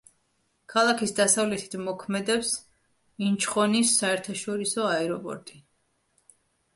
ქალაქის დასავლეთით მოქმედებს ინჩხონის საერთაშორისო აეროპორტი.